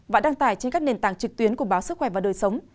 và đăng tải trên các nền tảng trực tuyến của báo sức khỏe và đời sống